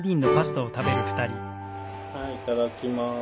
はいいただきます。